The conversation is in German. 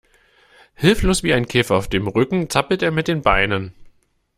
Hilflos wie ein Käfer auf dem Rücken zappelt er mit den Beinen.